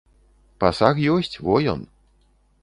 Пасаг ёсць, во ён.